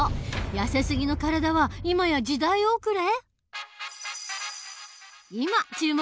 やせすぎの体は今や時代遅れ！？